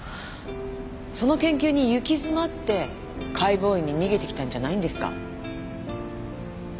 その研究に行き詰まって解剖医に逃げてきたんじゃないんですか？